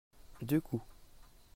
deux coups.